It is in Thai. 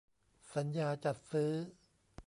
สัญญาจัดซื้อ